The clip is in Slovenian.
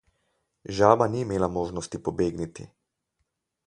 Žaba ni imela možnosti pobegniti.